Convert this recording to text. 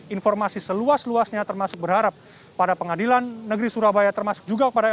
informasi seluas luasnya termasuk berharap pada pengadilan negeri surabaya termasuk juga kepada